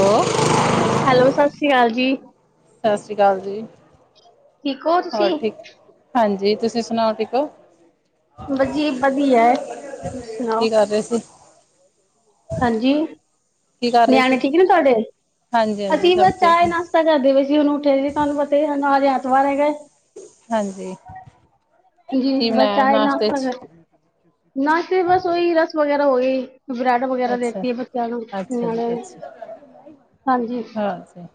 ਉਹ ਹੈਲੋ, ਸਤਿ ਸ੍ਰੀ ਅਕਾਲ ਜੀ। ਸਤਿ ਸ੍ਰੀ ਅਕਾਲ ਜੀ। ਠੀਕ ਹੋ ਹੋਰ ਤੁਸੀਂ? ਠੀਕ? ਹਾਂਜੀ। ਤੁਸੀਂ, ਸੁਣਾਓ ਠੀਕ ਹੋ? ਵਧੀਆ ਹੀ ਵਧੀਆ ਹੈ, ਸੁਣਾਓ? ਕੀ ਕਰ ਰਹੇ ਸੀ ਹਾਂਜੀ, ਕੀ ਕਰ ਰਹੇ ਸੀ ਨਿਆਣੇ, ਠੀਕ ਨੇ ਤੁਹਾਡੇ? ਹਾਂਜੀ ਹਾਂਜੀ ਅਸੀਂ ਸਭ ਬਸ ਠੀਕ ਚਾਹਏ- ਹੈ ਨਾਸ਼ਤਾ, ਕਰਦੇ ਪਏ ਸੀ। ਹੁਣ ਉੱਠੇ ਸੀ। ਤੁਹਾਨੂੰ ਪਤਾ, ਨੂੰ ਆਜ ਐਤਵਾਰ ਹੈਗਾ। ਹਾਂਜੀ। ਜੀ, ਕੀ ਬਸ ਬਣਾਇਆ ਚਾਹ, ਨਾਸ਼ਤੇ ਨਾਸ਼ਤਾ, ਚ ਨਾਸ਼ਤੇ ਬਸ ਉਹੀ ਰਸ ਵਗੈਰਾ ਹੋ ਗ ਉਭਰਾਟ ਵਗੈਰਾ ਅੱਛਾ ਦੇਤੀ [unintelligible] ਅੱਛਾ ਜੀ ਪਣਾਨ ਅੱਛਾ ਹਾਂਜੀ। ਹਾਂਜੀ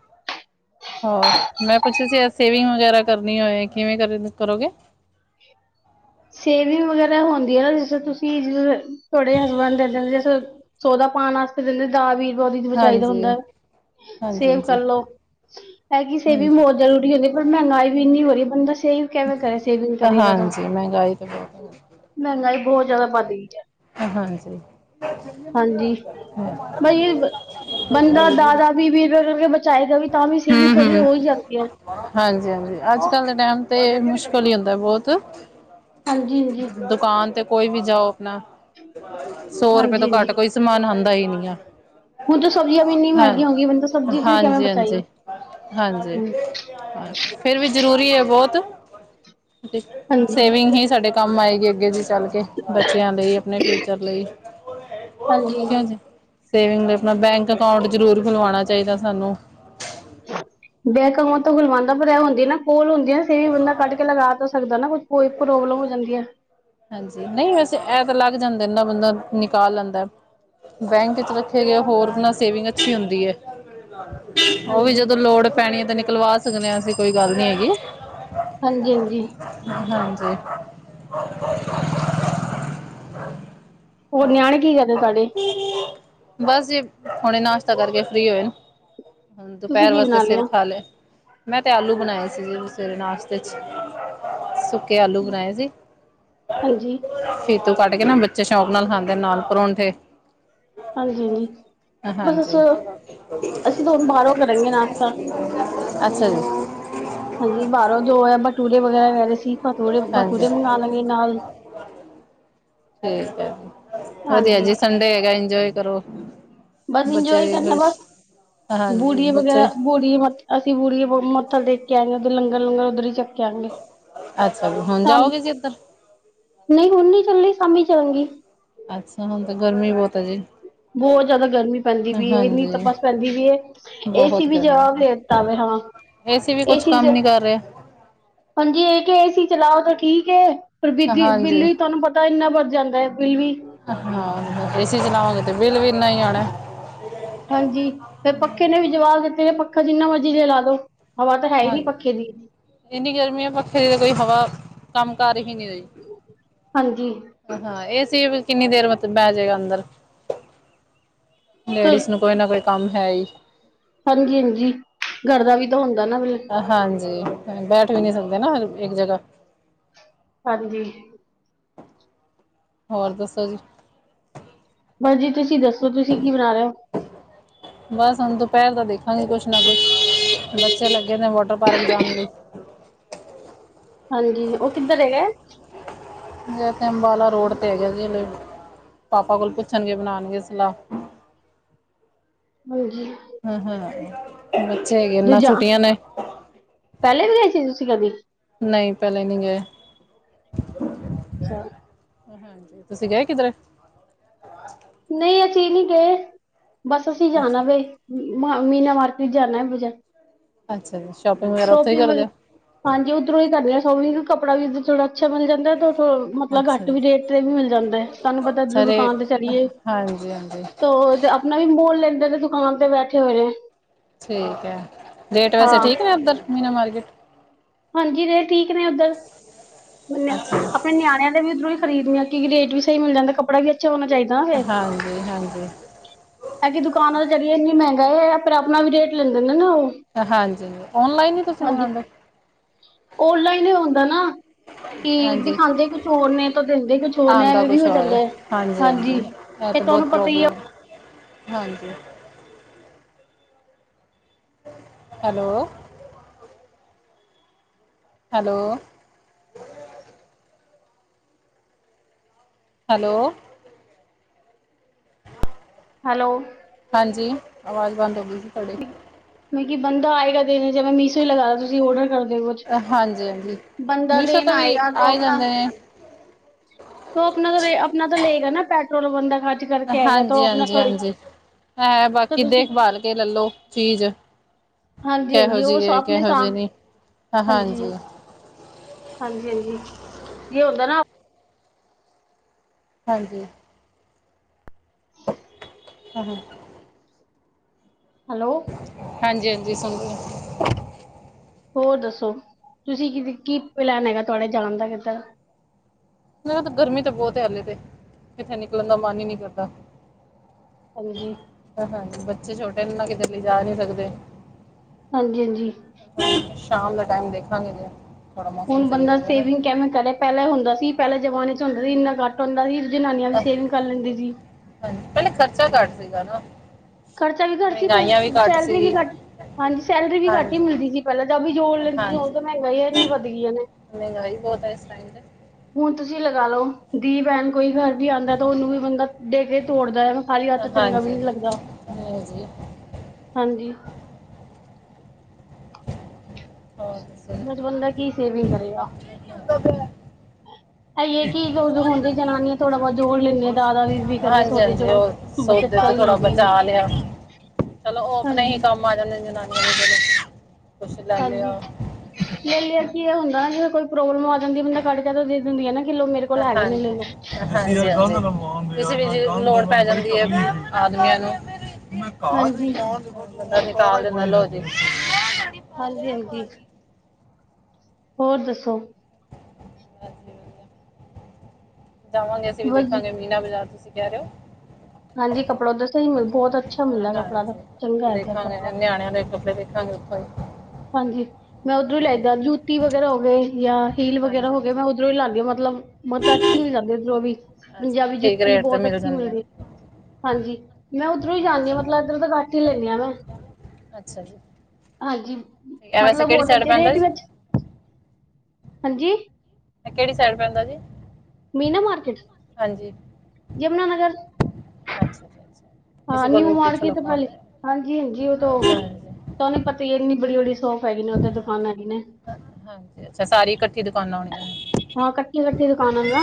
ਹੋਰ? ਮੈਂ, ਪੁੱਛਿ ਰੀ ਸੀ ਅਜ ਸੇਵਿੰਗ ਵਗੈਰਾ, ਕਰਨੀ ਹੋਏ। ਕਿਵੇਂ ਕਰੇ, ਕਰੋਗੇ? ਸੇਵਿੰਗ ਵਗੈਰਾ, ਹੁੰਦੀ ਆ ਨਾ। ਜ ਤੁਸੀਂ, ਤੁਹਾਡੇ ਹਸਬੈਂਡ ਦੇ ਦਿੰਦੇ ਜ ਸੌਦਾ, ਪਾਣ ਵਾਤੇ, ਦਿੰਦੇ ਤਾਂ, ਵੀਹ ਰੁਪਏ, ਉਹਦੀ ਬਚਾਈਦਾ ਹਾਂਜੀ ਹੁੰਦਾ। ਹਾਂਜੀ ਸੇਵ ਹਾਂਜੀ ਕਰਲੋ, ਹੈ, ਕਿ, ਹਾਂਜੀ ਸੇਵਿੰਗ ਬਹੁਤ ਜ਼ਰੂਰੀ ਹੁੰਦੀ। ਪਰ ਮਹਿੰਗਾਈ ਵੀ, ਇੰਨੀ ਹੋ ਰਹੀ। ਹਾਂਜੀ। ਮਹਿੰਗਾਈ ਤੇ ਬਹੁਤ ਬਹੁਤ, ਜ਼ਿਆਦਾ ਵਧਈ ਜਾ ਹਾਂਜੀ ਹਾਂਜੀ। ਹਮ ਬਾਈ ਬੰਦਾ, ਦਾ-ਦਾ, ਵੀ- ਵੀ ਰੁਪਆ ਕਰਕੇ ਬਚਾਏਗਾ। ਵੀ, ਤਾਂ, ਵੀ, ਸੇਵਿੰਗ ਥੋੜੀ ਹਮ ਹੋ, ਹੀ ਜਾਂਦੀ ਹੈ। ਹਾਂਜੀ- ਹਾਂਜੀ, ਅੱਜ ਕੱਲ ਦੇ ਟਾਈਮ ਤੇ, ਮੁਸ਼ਕਿਲ ਹੀ ਹੁੰਦਾ, ਬਹੁਤ। ਦੁਕਾਨ ਤੇ, ਕੋਈ ਵੀ ਜਾਓ ਆਪਣਾ। ਸੌ, ਰੁਪਏ ਤੋਂ, ਘੱਟ ਕੋਈ ਸਮਾਨ ਹੁੰ ਆਊਂਦਾ ਹੀ ਨਹੀਂ ਏ। ਹੁਣ ਤਾਂ, ਸਬਜ਼ੀਆਂ ਵੀ, ਇੰਨੀ ਮਹਿੰਗੀਆਂ ਹੋਗੀਆਂ, ਬੰਦਾ ਸਬਜ਼ੀ ਚ ਕਿਵੇਂ ਹਾਂਜੀ ਬਚਾਈਏ ਹਾਂਜੀ ਹਾਂਜੀ। ਹਮ, ਫੇਰ ਵੀ ਜਰੂਰੀ ਹੈ, ਬਹੁਤ। ਹਾਂਜੀ ਸੇਵਿੰਗ ਹੀ, ਸਾਡੇ ਕੰਮ ਆਏਗੀ। ਅੱਗੇ ਜੀ ਚੱਲ ਕੇ ਬੱਚਿਆਂ ਲਈ, ਆਪਣੇ ਫਿਊਚਰ ਲਈ, ਹਾਂਜੀ ਕਿਉ ਜ ਸੇਵਿੰਗ ਲਈ, ਆਪਣਾ ਬੈਂਕ ਅਕਾਊਂਟ, ਜ਼ਰੂਰ ਖੁਲਵਾਉਣਾ ਚਾਹੀਦਾ ਸਾਨੂੰ। ਬਹਿਕਵਾਂ ਤੋਂ ਗੁਲਵਾਉਂਦਾ ਪਰ ਏ, ਹੁੰਦੀ ਨਾ ਕੋਲ ਹੁੰਦੀ। ਸੇਵਿੰਗ, ਬੰਦਾ ਕੱਢ ਕੇ ਲਗਾ ਤਾਂ ਸਕਦਾ ਨਾ। ਕੁਛ, ਕੋਈ ਪ੍ਰੋਬਲਮ ਹੋ, ਜਾਂਦੀ ਹੈ। ਹਾਂਜੀ। ਨਹੀਂ, ਵੈਸੇ ਇਹ ਤਾਂ ਲੱਗ ਜਾਂਦਾ। ਇਨਾ ਬੰਦਾ ਨਿਕਾਲ ਲੈਂਦਾ। ਬੈਂਕ, ਵਿੱਚ ਰੱਖੇ ਗਏ ਹੋਰ, ਬੰਦਾ ਸੇਵਿੰਗ ਆ, ਅੱਛੀ ਹੁੰਦੀ ਹੈ। ਉਹ, ਵੀ, ਹਾਂਜੀ ਜਦੋਂ ਲੋੜ ਪੈਣੀ ਹੈ। ਤੇ, ਨਿਕਲਵਾ ਸਕਦੇ ਹਾਂ। ਅਸੀਂ ਕੋਈ ਗੱਲ ਨੀ ਹੈਗੀ। ਹਾਂਜੀ- ਹਾਂਜੀ। [unintelligible] ਹੋਰ ਨਿਆਣੇ ਕੀ [inaudible] ਕਰਦੇ ਤੁਹਾਡੇ ਬਸ ਜ ਹੁਣੇ ਨਾਸ਼ਤਾ ਕਰਕੇ ਫ੍ਰਰੀ ਹੋਏ ਤੁਸੀਂ ਦੁਪਹਿਰ ਕੀ ਵਾਸਤੇ ਬਣਾ ਸਿਰ ਲਿਆ? ਖਾ ਲਏ ਮੈਂ ਤੇ ਆਲੂ ਬਣਾਏ ਸੀ ਜਿ ਸਵੇਰੇ ਨਾਸ਼ਤੇ ਚ ਸੁੱਕੇ ਆਲੂ ਬਣਾਏ ਸੀ। ਹਾਂਜੀ ਫੀਤੂ ਕੱਟ ਕੇ ਨਾ ਬੱਚੇ ਸ਼ੌਕ ਨਾਲ ਖਾਂਦੇ ਨਾਲ ਪਰੌਂਠੇ ਹਾਂਜੀ- ਹਾਂਜੀ ਬਸ ਹਾਂਜੀ [inaudible] ਅਸੀਂ ਤਾਂ ਹੁਣ ਬਾਹਰੋਂ ਕਰਾਂਗੇ ਨਾਸ਼ਤਾ। ਅੱਛਾ ਜੀ। ਹਾਂਜੀ ਬਾਹਰੋਂ ਜੋ ਹੈ ਬਟੂਰੇ ਵਗੈਰਾ ਕਹਿ ਰਹੇ ਸੀ ਪਟੂੜ ਹਾਂਜੀ ਬਟੂਰੇ ਮੰਗਉਣ ਲਗੇ ਨਾਲ ਠੀਕ ਹੈ ਵਧੀਆ ਹਾਂਜੀ ਜੀ ਸੰਡੇ ਹੈਗਾ ਇੰਜੋਏ ਕਰੋ। ਬਸ ਬੱਚੇ ਇੰਜੋਏ ਵੀ ਕਰਨਾ ਖੁਸ਼ ਬਸ ਹਾਂਜੀ ਬੂੜੀਆਂ ਬੱਚੇ ਵਗੈਰਾ ਬੂੜੀ ਅਸੀਂ ਬੂੜੀਆਂ ਮੱਥਾ ਟੇਕੇ ਆਏ ਹਾਂ ਉਧਰ ਲੰਗਰ -ਲੰਗਰ ਉੱਧਰ ਹੀ [inaudible] ਅੱਛਾ ਜੀ ਹੁਣ ਜਾਓਗੇ ਜੀ ਇੱਧਰ ਨਹੀਂ ਹੁਣ ਨੀ ਚੱਲੀ ਸ਼ਾਮੀ ਚੰਗੀ ਅੱਛਾ ਹੁਣ ਤੇ ਗਰਮੀ ਬਹੁਤ ਆ ਜੀ। ਬਹੁਤ ਜਿਆਦਾ ਗਰਮੀ ਪੈਂਦੀ ਪਈ ਇੰਨੀ ਹਾਂਜੀ ਤਪੱਸ ਪੈਂਦੀ ਈ ਏਸੀ ਬਹੁਤ ਵੀ ਜਵਾਬ ਦੇ ਦਿੱਤਾ। ਹਾਂ। ਏਸੀੇ ਵੀ ਕੁਛ ਏਸੀ ਕੰਮ ਚ ਨੀ ਕਰ ਰਹਾ। ਹਾਂਜੀ ਇਹ ਕਿ ਏਸੀ ਚਲਾਓ ਤਾਂ ਠੀਕ ਏ। ਪਰ ਬੀਜੀ ਹਾਂਜੀ ਬਿੱਲ ਵੀ ਤੁਹਾਨੂੰ ਪਤਾ ਇੰਨਾ ਵਧ ਜਾਂਦਾ ਹੈ ਬਿੱਲ ਵੀ ਹਾਂ ਏਸੀ ਚਲਾਵਾਂਗੇ ਤੇ ਬਿੱਲ ਵੀ ਇੰਨਾ ਹੀ ਆਣਾ। ਹਾਂਜੀ ਫਿਰ ਪੱਖੇ ਨੇ ਵੀ ਜਵਾਬ ਦਿੱਤਾ। ਫੇਰ ਪੱਖਾ ਜਿੰਨਾ ਮਰਜ਼ੀ ਦੇ ਜਲਾ ਦੋ ਹਵਾ ਤਾਂ ਹੈ ਹੀ ਨਹੀਂ ਹਾਂਜੀ ਪੱਖੇ ਦੀ ਇੰਨੀ ਗਰਮੀ ਹੈ ਪੱਖੇ ਦੀ ਤਾਂ ਕੋਈ ਹਵਾ ਕੰਮ ਕਰ [unintelligible] ਤੇ ਹਾਂਜੀ ਫੇਰ, ਕਿੰਨੀ ਦੇਰ ਮਤਲਬ ਬਹਿ ਜਾਏਗਾ ਅੰਦਰ। ਤੇ ਲੇਡੀਜ਼ ਨੂੰ ਕੋਈ ਨਾ ਕੋਈ। ਕੰਮ, ਹੈ। ਹਾਂਜੀ -ਹਾਂਜੀ ਗਰ ਦਾ ਵੀ ਤਾਂ ਹੁੰਦ ਹਾਂਜੀ ਬੈਠ ਵੀ ਨਹੀਂ ਸਕਦੇ ਨਾ ਇੱਕ ਜਗ੍ਹਾ ਹਾਂਜੀ ਹੋਰ ਦੱਸੋ ਜੀ। ਬਜੀ ਤੁਸੀਂ ਦੱਸੋ ਤੁਸੀਂ ਕੀ ਬਣਾ ਰਹੇ ਹੋ। ਹਾਂਜੀ ਕੁਛ ਨਾ ਕੁਛ ਬੱਚੇ ਲੱਗੇ ਨੇ ਵਾਟਰ ਪਾਰਕ ਜਾਣ ਲਈ ਹਾਂਜੀ ਉਹ ਕਿੱਧਰ ਹੈਗਾ। ਤੇ ਅੰਬਾਲਾ ਰੋਡ ਤੇ ਹੈਗਾ ਜ ਪਾਪਾ ਕੋਲ ਪੁੱਛਣਗੇ ਬਣਾਉਣਗੇ ਸਲਾਹ ਹਾਂਜੀ [unintelligible] ਬੱਚੇ ਹੈਗੇ ਨਾ ਦੂਜਾ ਛੁੱਟੀਆਂ ਨੇ ਪਹਿਲੇ ਵੀ ਗਏ ਸੀ ਤੁਸੀਂ ਕਦੀ ਨਹੀਂ ਪਹਿਲਾਂ ਨਹੀਂ ਗਏ। ਅੱਛਾ ਹਾਂਜੀ ਤੁਸੀਂ ਗਏ ਕਿਧਰੇ ਨਹੀਂ ਅਸੀਂ ਨਹੀਂ ਗਏ ਬਸ ਅਸੀਂ ਅੱਛਾ ਜਾਣਾ ਵੇ। ਮ ਮੀਨਾ ਮਾਰਕੀਟ ਜਾਣਾ ਹੈ ਬਜਾ ਅੱਛਾ ਅੱਛ ਸੋਫੀ ਹਾਂਜੀ ਉੱਧਰੋਂ ਹੀ ਕਰਦੇ ਸੋਫੀ ਕੱਪੜਾ ਵੀ ਥੋੜਾ ਅੱਛਾ ਮਿਲ ਜਾਂਦਾ ਤੇ ਹੋ ਮਤਲਬ ਅੱਛਾ ਘੱਟ ਵੀ ਜੀ ਰੇਟ ਤੇ ਵੀ ਮਿਲ ਜਾਂਦਾ ਤੁਹਾਨੂੰ ਪਤਾ ਧੋਂ ਸਾਰੇ ਦੁਕਾਨ ਤੇ ਚਲੀਏ। ਹਾਂਜੀ-ਹਾਂਜੀ ਤ ਆਪਣਾ ਵੀ ਮੋਲ ਲੈਂਦੇ ਨੇ ਦੁਕਾਨ ਤੇ ਬੈਠੇ ਹੋਏ ਨੇ। ਠੀਕ ਹੈ ਰੇਟ ਵੈਸੇ ਹਾਂ ਠੀਕ ਨੇ ਉੱਧਰ ਮੀਨਾ ਮਾਰਕੀਟ ਹਾਂਜੀ ਰੇਟ ਠੀਕ ਨੇ ਉੱਧਰ ਅੱਛਾ ਜੀ ਆਪਣੇ ਨਿਆਣਿਆਂ ਦੇ ਵੀ ਉੱਧਰੋਂ ਹੀ ਖਰੀਦੀ ਆ ਕਿ ਰੇਟ ਵੀ ਸਹੀ ਮਿਲ ਜਾਂਦਾ ਕੱਪੜਾ ਵੀ ਛ ਹੋਣਾ ਚਾਹੀਦਾ ਨਾ ਫੇਰ ਹਾਂਜੀ-ਹਾਂਜੀ ਐ ਕਿ ਦੁਕਾਨਾਂ ਦੇ ਜ਼ੜਏ ਇੰਨੀ ਮਹਿੰਗੀ ਗਏ ਪਰ ਆਪਣਾ ਵੀ ਰੇਟ ਲੈਂਦੇ ਨੇ ਨਾ ਉਹ ਹਾਂਜੀ ਓਨਲਾਈਨ ਹੀ ਤੁਸੀਂ ਮੰਗਵਾਉਂਦੇ। ਓਨਲਾਈਨ ਹੁੰਦਾ ਨਾ। ਕੀ ਹਾਂਜੀ ਦਿਖਾਉਦੇ ਕੁਛ ਹੋਰ ਨੇ ਤਾਂ ਦਿੰਦੇ ਕੁਛ ਹੋਰ ਨੇ ਆਉਂਦਾ ਐਵੇਂ ਵੀ ਕੁਛ ਹੋ ਹੋਰ ਜਾਂਦਾ ਹੈ ਹਾਂਜੀ-ਹਾਂਜੀ ਹਾਂਜੀ। ਇਹ ਇਹ ਬਹੁਤ ਤੁਹਾਨੂੰ ਪਤਾ ਈ ਆ ਪ੍ਰੋਬਲਮ ਹਾਂਜੀ ਹੈਲੋ ਹੈਲੋ ਹੈਲੋ ਹੈਲੋ ਹਾਂਜੀ ਆਵਾਜ਼ ਬੰਦ ਹੋ ਗਈ ਸੀ ਤੁਹਾਡੀ ਮ ਬੰਦਾ ਆਏਗਾ ਦੇਨ 'ਚ ਮੈਂ ਮੀਸੋ ਹੀ ਲਗਾਦਾ ਤੁਸੀਂ ਔਡਰ ਕਰਦੇ ਕੁਛ ਹਾਂਜੀ ਹਾਂਜੀ ਬੰਦਾ ਮੀਸ਼ੋ ਦਿਨ ਤੋਂ ਵੀ ਆਏਗਾ ਤ ਆ ਹੀ ਆਪਣਾ ਜਾਂਦੇ ਨੇ ਉਹ ਆਪਣਾ ਤਾਂ ਆਪਣਾ ਤਾਂ ਲਏਗਾ ਨਾ ਪੈਟਰੋਲ ਬੰਦਾ ਖਰਜ ਕਰਕੇ ਆਏਗਾ ਤਾਂ ਉਹ ਹਾਂਜੀ ਆਪਣਾ ਹਾਂਜੀ ਥੋੜੀ ਹਾਂਜੀ ਹੈ ਤਾਂ ਬਾਕੀ ਤੁਸੀਂ ਦੇਖਭਾਲ ਕੇ ਲੱਲ ਲੋ ਚੀਜ਼ ਹਾਂਜੀ ਕਿਹੋ ਹਾਂਜੀ ਜਿਹੀ ਉਹ ਏ ਆਪਣੇ ਕਿਹੋ ਜਿਹੀ ਸਾਮ ਨੀ ਹਾਂਜੀ। ਹਾਂਜੀ -ਹਾਂਜੀ ਜ ਹੁੰਦਾ ਨਾ। ਹਾਂਜੀ [inaudible] ਹੈਲੋ [unintelligible] ਹੋਰ ਦੱਸੋ ਤੁਸੀਂ ਕਿ ਕੀ ਪਲੈਨ ਹੈਗਾ ਤੁਹਾਡੇ ਜਾਣ ਦਾ ਕਿੱਧਰ ਮ ਕਿਹਾ ਤਾਂ ਗਰਮੀ ਤਾਂ ਬਹੁਤ ਹਾਲੇ ਤੇ ਇੱਥੇ ਨਿਕਲਣ ਦਾ ਮਨ ਹੀ ਨਹੀਂ ਕਰਦਾ। ਹਾਂਜੀ ਹਾਂਜੀ ਬੱਚੇ ਛੋਟੇ ਨੇ ਨਾ ਕਿਤੇ ਵੀ ਲਜਾ ਨਹੀਂ ਸਕਦੇ। ਹਾਂਜੀ -ਹਾਂਜੀ ਸ਼ਾਮ ਦਾ ਟਾਈਮ ਦੇਖਾਂਗੇ ਜ ਹੁਣ ਬੰਦਾ ਸੇਵਿੰਗ ਕਿਵੇਂ ਕਰੇ ਪਹਿਲ ਹੁੰਦਾ ਸੀ ਪਹਿਲੇ ਜਮਾਨੇ 'ਚ ਹੁੰਦਾ ਸੀ ਇੰਨਾ ਘੱਟ ਹੁੰਦਾ ਸੀ। ਜਨਾਨੀਆਂ ਵੀ ਸੇਵਿੰਗ ਕਰ ਲੈਂਦੇ ਸੀ। ਹਾਂਜੀ ਪਹਿਲੇ ਖਰਚਾ ਘੱਟ ਸੀਗਾ ਨਾ। ਖਰਚਾ ਵੀ ਘੱਟ ਸੀ ਪਰ ਮਹਿੰਗਾਈਆਂ ਵੀ ਘੱਟ ਸੈਲਰੀ ਵੀ ਸੀਗੀ ਘੱਟ ਹਾਂਜੀ ਸੈਲਰੀ ਵੀ ਘੱਟ ਹੀ ਹਾਂਜੀ ਮਿਲਦੀ ਸੀ ਪਹਿਲਾਂ ਤਾਂ ਜੋੜ ਲੈਂਦੀ ਸੀ ਜੋਣ ਹਾਂਜੀ ਤਾਂ ਮਹਿੰਗਾ ਹੀਨੀ ਵੱਧ ਗਈਆਂ ਨੇ। ਮਹਿੰਗਾਈ ਬਹੁਤ ਹੈ ਇਸ ਟਾਈਮ ਤੇ ਹੁਣ ਤੁਸੀਂ ਲਗਾ ਲਓ ਦੀ ਬੈਣ ਕੋਈ ਘਰ ਵੀ ਆਉਂਦਾ ਤਾਂ ਉਹਨੂੰ ਵੀ ਬੰਦਾ ਦੇ ਕੇ ਤੋੜਦਾ ਹੈ। ਖਾਲੀ ਹੱਥ ਚੰਗਾ ਹਾਂਜੀ ਵੀ ਨੀ ਲੱਗਦਾ ਹਾਂਜੀ ਹਾਂਜੀ। ਹੋਰ ਦੱਸੋ ਜੀ? ਬਸ ਬੰਦਾ ਕੀ ਸੇਵਿੰਗਾ [unintelligible] [unintelligible] ਕਰੇ। ਇਹ ਹੈ ਕਿ ਜੋ ਹੁੰਦੀ ਜਨਾਨੀਆਂ ਥੋੜਾ ਬਹੁਤ ਜੋੜ ਲੈਂਦੀਆਂ ਦਾਦਾ ਵੀਹ ਵੀਹ ਕਰਕੇ ਹਾਂਜੀ ਸੌਦੇ -ਹਾਂਜੀ ਉਹ ਚੋਂ ਬੱਚਤ ਸੋਦੇ ਕਰ ਹੀ ਥੋੜਾ ਲੈਂਦੀਆਂ ਨੇ ਬਚਾ ਲਿਆ ਚਲੋ ਉਹ ਆਪਣੇ ਹੀ ਹਾਂਜੀ ਕੰਮ ਆ ਜਾਂਦੇ ਜਨਾਨੀਆਂ ਦੇ ਚਲੋ ਕੁਛ ਲੈ ਹਾਂਜੀ ਲਿਆ ਲੈ ਲਿਆ ਕੀ ਇਹ ਹੁੰਦਾ ਜ ਕੋਈ ਪ੍ਰੋਬਲਮ ਆ ਜ ਬੰਦਾ ਕੱਟ ਕੇ ਦੇ ਦਿੰਦੀ ਆ ਨਾ ਕਿੱਲੋ ਮੇਰੇ ਕੋਲ ਹੈਗੇ ਨੇ ਲੈ ਹਾਂਜੀ ਲੋ ਹਾਂਜੀ ਹਾਂਜੀ ਕਿਸੇ ਵੀ ਲੋੜ ਪੈ ਜਾਂਦੀ ਹੈ ਆਦਮੀਆਂ ਨੂੰ ਹਾਂਜੀ [unintelligible] ਹਾਂਜੀ -ਹਾਂਜੀ ਹੋਰ ਦੱਸੋ? ਬਸ ਵਧੀਆ ਜਾਵਾਂਗੇ ਅਸੀਂ ਵੀ ਬਸ ਜੀ ਦੇਖਾਂਗੇ ਮੀਨਾ ਬਾਜ਼ਾਰ ਤੁਸੀਂ ਕਹਿ ਰਹੇ ਹੋ। ਹਾਂਜੀ ਕੱਪੜਾ ਉਧਰ ਸਹੀ ਮਿਲ ਬਹੁਤ ਅੱਛਾ ਹਾਂ ਮਿਲਦਾ ਹਾਂ ਕੱਪੜਾ ਤਾਂ ਜ ਚੰਗਾ ਹੈ ਇੱਧਰ ਕੱਪੜਾ ਦੇਖਾਂਗੇ ਨਿਆਣਿਆਂ ਦੇ ਕੱਪੜੇ ਦੇਖਾਂਗੇ ਉਥੋਂ ਹਾਂਜੀ ਮੈਂ ਉੱਧਰੋਂ ਹੀ ਲੈਦਾ ਜੁੱਤੀ ਵਗੈਰਾ ਹੋਵੇ ਜਾਂ ਹੀਲ ਵਗੈਰਾ ਹਾਂਜੀ ਹੋ ਗ ਹਾਂਜੀ ਮੈਂ ਉਧਰੋ ਹੀ ਲਾਉਦੀ ਮਤਲਬ- ਮਤਲਬ ਅੱਛੀ ਮਿਲ ਜਾਂਦੀ ਉੱਧਰੋ ਵੀ ਅੱਛਾ ਜੀ ਪੰਜਾਬੀ ਠੀਕ ਜੁੱਤੀ ਰੇਟ ਤੇ ਬਹੁਤ ਮਿਲ ਅੱਛੀ ਜਾਂਦੀਆਂ ਨੇ। ਮਿਲਦੀ ਹਾਂਜੀ ਮੈਂ ਉੱਧਰੋਂ ਹੀ ਜਾਂਦੀ ਹਾਂਜੀ, ਆ ਮਤਲਬ ਇਧਰੋਂ ਤੋਂ ਘੱਟ ਹੀ ਲੈਂਨੀ ਆ ਮੈਂ ਅੱਛਾ ਜੀ ਹਾਂਜੀ। ਠੀਕ ਹੈ ਵੈਸੇ ਮਤਲਬ ਹੋ ਕਿਹੜੀ ਸਾਈਡ [unintelligible] ਪੈਂਦਾ ਰੇਟ ਜੀ ਵਿੱਚ ਹਾਂਜੀ। ਕਿਹੜੀ ਸਾਈਡ ਪੈਂਦਾ ਜੀ। ਮੀਨਾ ਮਾਰਕੇਟ, ਹਾਂਜੀ ਯਮੁਨਾਨਗਰ। ਅੱਛਾ ਜੀ ਅੱਛਾ ਹਾਂ ਕਿਸੇ ਕੋਲ ਨਿਊ ਵੀ ਪੁੱਛ ਲਓ ਮਾਰਕੀਟ ਕੌਣ ਪਹਿਲੀ ਹੈ ਹਾਂਜੀ ਹਾਂਜੀ ਉਹ ਤੋਂ ਤਾਂ ਉਹਨੂੰ ਪਤਾ ਹੀ ਇੰਨੀ ਬੜੀ-ਬੜੀ ਸ਼ੋਪ ਹੈਗੀ ਨੇ ਉਦਰ ਦੁਕਾਨਾਂ ਹੈਗੀ ਨੇ। ਅ- ਹਾਂਜੀ ਅੱਛਾ ਸਾਰੀ ਇਕੱਠੀ ਦੁਕਾਨਾਂ ਹੋਣੀਆਂ। ਨੇ। ਹਾਂ ਕੱਠੀ-ਕੱਠੀ ਦੁਕਾਨਾਂ ਨਾ।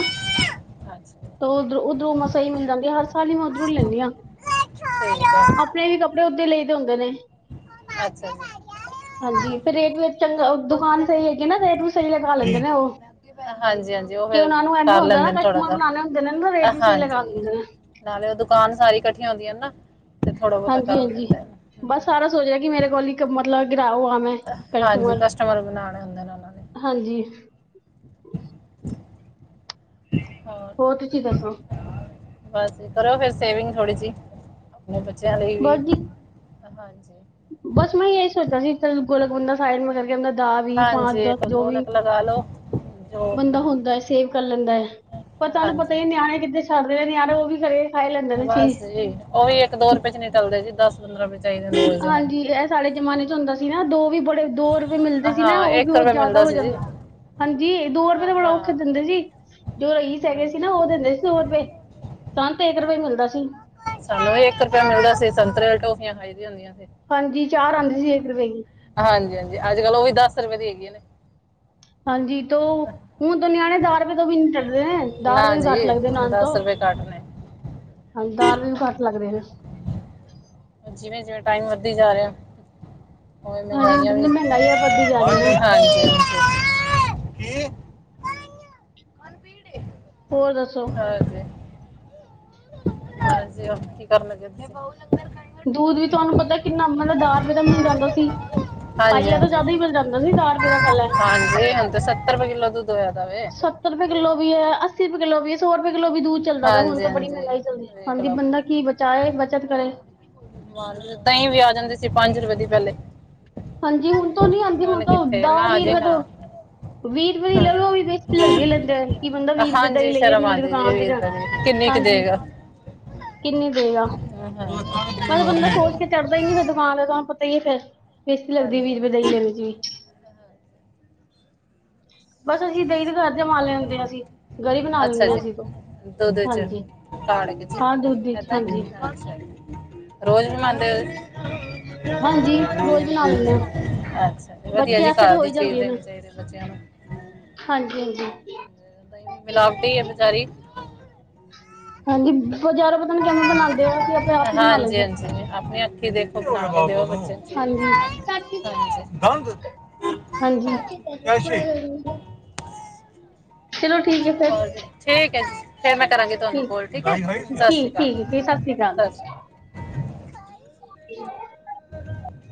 ਅੱਛਾ ਉਧਰੋਂ-ਉੱਧਰੋਂ ਮੈਂ ਸਹੀ ਮਿਲ ਜਾਂ ਗ ਹਰ ਸਾਲ ਹੀ ਮੈਂ ਉੱਧਰੋਂ ਲੈਨੀ ਹਾਂ। [unintelligible] ਓਦੇ ਲਈ ਤੇ ਹੁੰਦੇ ਨੇ। ਅੱਛਾ ਜੀ। ਹਾਂਜੀ ਫੇਰ ਰੇਟ ਵੀ ਚੰਗਾ ਦੁਕਾਨ ਸਹੀ ਹੈਗੀ ਨਾ ਰੇਟ ਵੀ ਸਹੀ ਲਗਾ ਜੀ ਲੈਂਦੇ ਕੀ ਨੇ ਉਹ। ਹਾਂਜੀ ਹਾਂਜੀ ਉਹ ਕਿ ਫਿਰ ਉਹਨਾਂ ਨੂੰ ਇਹਨਾ ਕਰ ਹੁੰਦਾ ਨਾ ਲੈਂਦੇ ਨੇ ਥੋੜਾ ਕਸ਼ਟਮਾਂ ਜਿਹਾ ਬਣਾਣੇ ਹੁੰਦੇ ਨੇ ਅ, ਰੇਟ ਵੀ ਸਹੀ ਲਗਾ ਹਾਂਜੀ ਦਿੰਦੇ ਨੇ। ਨਾਲੇ ਉਹ ਦੁਕਾਨ ਸਾਰੀ ਇਕੱਠੀਆਂ ਹੁੰਦੀਆਂ ਨਾ। ਤੇ ਥੋੜਾ ਬਹੁਤਾ ਕਰ ਹਾਂਜੀ-ਹਾਂਜੀ ਦਿੰਦੇ ਨੇ ਬਸ ਸਾਰਾ ਹਾਂਜੀ ਸੋਚ ਰਿਹਾ ਕਿ ਮੇਰੇ ਕੋਲ ਹੀ ਮਤਲਬ ਹਾਂਜੀ ਕਸਟਮਰ ਬਣਾਉਣੇ ਹੁੰਦੇ ਨੇ ਉਹਨਾਂ ਨੇ [unintelligible] ਹਾਂਜੀ। ਹੋਰ ਤੁਸੀ ਦੱਸੋ? ਬਸ ਕਰੋ ਫੇਰ ਸੇਵਿੰਗ ਥੋੜੀ ਜਿਹੀ ਆਪਣੇ ਬੱਚਿਆਂ ਲਈ ਵੀ। ਹਾਂਜੀ। ਬਸ ਮੈਂ ਇਹੀ ਸੋਚਿਆ ਸੀ ਗੋਲ [unintelligible] ਦਾ ਵੀ ਹਾਂਜੀ ਪੰਜ ਦਸ ਇੱਕ ਜੋ ਵੀ ਗੋਲਕ ਲਗਾ ਲਓ ਜੋ ਬੰਦਾ ਆਪਣਾ ਹੁੰਦਾ ਹੈ ਸੇਵ ਕਰ ਲੈਂਦਾ ਹੈ। ਹਾਂਜੀ ਪਰ ਤੁਹਾਨੂੰ ਪਤਾ ਹਾਂਜੀ ਹੀ ਨਿਆਣੇ ਕਿੱਥੇ ਛੱਡਦੇ ਨੇ ਨਿਆਣੇ ਉਹ ਵੀ ਖਰੇ ਖਾ ਲੈਂਦੇ ਨੇ ਚੀਜ਼ ਬਸ ਜੀ ਉਹ ਵੀ ਰੁਪਏ ਚ ਨਹੀਂ ਟਲਦੇ ਜੀ ਦਸ ਪੰਦਰਾਂ ਵਿਚ ਹਾਂਜੀ ਇਹ ਸਾਡੇ ਜਮਾਨੇ ਚ ਹੁੰਦਾ ਸੀ ਨਾ ਦੋ ਵੀ ਬੜੇ ਦੋ ਰੁਪਏ ਮਿਲਦੇ ਸੀ ਹਾਂ ਨਾ ਉਹ ਵੀ ਬਹੁਤ ਰੁਪਏ ਜਿਆਦਾ ਮਿਲਦਾ ਹੋ ਸੀ ਜੀ ਜਾਂਦੇ। ਹਾਂਜੀ ਦੋ ਰੁਪਏ ਹਾਂ ਤਾਂ ਬੜਾ ਹਾਂ ਔਖਾ ਦਿੰਦੇ ਸੀ ਜੋ ਰਈਸ ਹੈਗੇ ਸੀ ਹਾਂਜੀ ਨਾ ਉਹ ਦਿੰਦੇ ਸੀ ਦੋ ਰੁਪਏ। ਸਾਨ ਤੇ ਇੱਕ ਰੁਪਏ ਮਿਲ ਸਾਨੂੰ ਰੁਪਿਆ ਮਿਲਦਾ ਸੀ ਸੰਤਰੇ ਵਾਲੀ ਟੋਫੀਆਂ ਖਾਈ ਦੀਆਂ ਹੁੰਦੀਆਂ ਸੀ ਹਾਂਜੀ ਚਾਰ ਆਉਂਦੀ ਸੀ ਇੱਕ ਰੁਪਏ ਦੀ ਹਾਂਜੀ-ਹਾਂਜੀ ਅੱਜ ਕੱਲ ਉਹ ਵੀ ਦਸ ਰੁਪਏ ਦੀ ਹੈਗੀ ਨੇ। ਹਾਂਜੀ ਤ ਹੁਣ ਤ ਨਿਆਣੇ ਦਾਅ ਰੁਪਏ ਤੋਂ ਵੀ ਨੀ ਚ ਦਾਹ ਨਾ ਰੁਪਏ ਵੀ ਜੀ ਘੱਟ ਲੱਗਦੇ ਨਾਨ ਤੋਂ। ਰੁਪਏ ਘੱਟ ਨੇ ਹਾਂਜੀ ਦਾਅ ਰੁਪਏ ਵੀ ਘੱਟ ਲੱਗਦੇ ਨੇ। ਜਿਵੇਂ-ਜਿਵੇਂ ਟਾਈਮ ਵੱਧਦੀ ਜਾ ਰਿਹਾ। ਉਹੀ ਮੈ ਹਾਂਜੀ ਹੁਣ ਕਿਹਾ ਰਹੀ ਆ ਜਿੰਨੀ ਮਹਿੰਗਾਈ ਵੱਧਦੀ ਜਾ ਰਹੀ ਹੈ ਨਾ ਹਾਂਜੀ-ਹਾਂਜੀ। ਹੋਰ ਦੱਸੋ? ਹਾਂਜੀ ਹਾਂਜੀ ਕੀ ਕਰਨਾ [unintelligible] ਦੂਧ ਵੀ ਤੁਹਾਨੂੰ ਪਤਾ ਕਿੰਨਾ ਮਤਲਬ ਦ ਰੁਪਏ ਦਾ ਮਿਲ ਜਾਂਦਾ ਸੀ। ਹਾਂਜੀ ਹਾਂਜੀ ਪਾਈਆ ਤੋਂ ਜਾਦਾ ਹੀ ਮਿਲ ਜਾਂਦਾ ਸੀ ਦਾਅ ਰੁਪਏ ਦਾ ਪੇਲੇ। ਹਾਂਜੀ ਹੁਣ ਤੇ ਰੁਪਏ ਕਿਲੋ ਦੁੱਧ ਹੋਇਆ ਦਾ ਵੇ ਸੱਤਰ ਰੁਪਏ ਕਿੱਲੋ ਵੀ ਹੈ, ਅੱਸੀ ਰੁਪਏ ਕਿੱਲੋ ਵੀ ਹੈ, ਸੌ ਰੁਪਏ ਕਿਲੋ ਵੀ ਦੂਰ ਚੱਲਦਾ ਪਿਆ ਹੁਣ ਹਾਂਜੀ ਤਾਂ ਬੜੀ ਹਾਂਜੀ ਮਹਿੰਗਾਈ ਚੱਲਦੀ ਵੇਖ ਹਾਂਜੀ ਬੰਦਾ ਕੀ ਬਚਾਏ ਬੱਚਤ ਕਰੇ। ਦਹੀ ਵੀ ਆ ਜਾਂਦੇ ਸੀ ਪੰਜ ਰੁਪਏ ਦੀ ਪਹਲੇ। ਹਾਂਜੀ ਹੁਣ ਤੋਂ ਨੀ ਆਉਂਦੀ ਹੁਣ ਤੋ ਨਾ ਦਾਅ ਵੀਹ ਜੀ ਰੁਪਏ ਨਾ ਤੋਂ ਵੀਹ ਰੁਪਏ ਦੀ ਹਾਂ ਲੈ ਲਓ ਉਹ ਵੀੇ ਬੇਸਤੀ ਲਗਦੀ ਲੈਂਦੇ ਹੋਏ ਕਿ ਬੰਦਾ ਵੀਹ ਰੁਪਏ ਦੀ ਦਹੀ ਹਾਂਜੀ ਲਈਏ ਸ਼ਰਮ ਇੰਨੀ ਵੱਡੀ ਆਉਂਦੀ ਜੀ ਦੁਕਾਨ ਤੇ ਜਾ ਰੁਪਏ ਦੀ ਕਿੰਨੀ ਕੁ ਹਾਂਜੀ ਦੇਗਾ ਕਿੰਨੀ ਦੇ ਆ। ਹਾਂ, ਹਾਂ। ਭੀੜ ਬਸ ਹੋ ਬੰਦਾ ਰਹੀ ਹੈ ਸੋਚ ਕੇ ਚੜ੍ਹਦਾ ਹੀ ਨ ਫਿਰ ਦੁਕਾਨ ਤੁਹਾਨੂੰ ਪਤਾ ਹੀ ਫੇਰ। ਬੇਸਤੀ ਲੱਗਦੀ ਹਾਂਜੀ ਵੀਂ ਰੁਪਏ ਦਈ ਹਾਂਜੀ ਲੈਣ ਚ ਵੀ। ਬਸ ਅਸੀਂ ਦਹੀਂ ਦੇ ਘਰ ਜਮਾ ਲੈਂਦੇ ਹਾਂ ਅਸੀਂ ਗਰੀ ਬਣਾ ਅੱਛਾ ਲੈਂਦੇ ਜੀ ਹਸੀਂ ਤੋਂ ਦੁੱਧ ਚ ਹਾਂਜੀ। ਹਾਂ ਦੁੱਧ ਦੀ ਹਾਂਜੀ [unintelligible] ਹਾਂਜੀ ਰੋਜ਼ ਬਣਾ ਲੈਂਦੇ ਆ। ਅੱਛਾ ਵਧੀਆ ਜੀ ਘਰ ਦੀ ਚੀਜ਼ ਦੇਣੀ ਚਾਹੀਦੀ ਬੱਚਿਆਂ ਨੂੰ ਹਾਂਜੀ- ਹਾਂਜੀ [inaudible] ਮਿਲਾਵਟੀ ਹੀ ਹੈ ਬੇਚਾਰੀ [inaudible] ਹਾਂਜੀ ਬਜ਼ਾਰੋਂ ਪਤਾ ਨੀ [inaudible] ਕਿਵੇਂ ਬਣਾਉਂਦੇ ਆ ਅਸੀਂ ਆਪੇ ਆਪ ਹੀ ਬਣਾ ਹਾਂਜੀ- ਲੈਂਦੇ ਹਾਂ। ਹਾਂਜੀ ਆਪਣੀ ਅੱਖੀ ਦੇਖੋ। ਹਾਂਜੀ [unintelligible] ਹਾਂਜੀ ਕੈਸ਼ੀ [unintelligible] ਚਲੋ। ਠੀਕ ਹੈ ਫਿਰ ਹੋ ਠੀਕ ਹੈ ਜੀ ਫੇਰ ਮੈਂ ਕਰਾਂਗੀ ਤੁਹਾਨੂੰ ਕੋਲ ਠੀਕ ਹੈ ਸਤਿ ਸ੍ਰੀ ਠੀਕ ਠੀਕ ਠੀਕ ਸਤਿ ਸ਼੍ਰੀ ਜੀ ਅਕਾਲ। [inaudible] [inaudible]